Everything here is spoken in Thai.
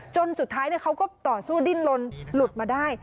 สุดท้ายเขาก็ต่อสู้ดิ้นลนหลุดมาได้